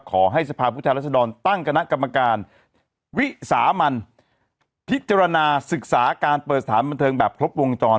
สภาพผู้แทนรัศดรตั้งคณะกรรมการวิสามันพิจารณาศึกษาการเปิดสถานบันเทิงแบบครบวงจร